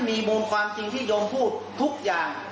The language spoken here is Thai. เมื่อที่โยงพูดทุกอย่าง